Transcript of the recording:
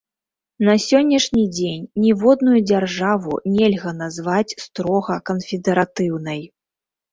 На сённяшні дзень ніводную дзяржаву нельга назваць строга канфедэратыўнай.